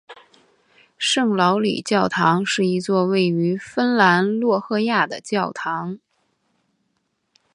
圣劳里教堂是一座位于芬兰洛赫亚的教堂。